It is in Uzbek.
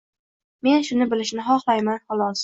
— men shuni bilishni xohlayman, xolos.